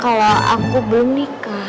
kalau aku belum nikah